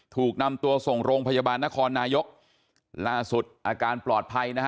ถูกนำตัวส่งโรงพยาบาลนครนายกล่าสุดอาการปลอดภัยนะฮะ